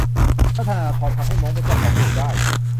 ถ้าธนาธรทำให้ม้งเป็นเจ้าของบึงได้